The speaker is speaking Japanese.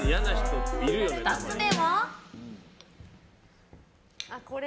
２つ目は。